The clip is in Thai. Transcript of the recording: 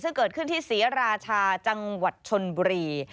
ซึ่งเกิดขึ้นที่ศรีราชาจังหวัดชนบุรี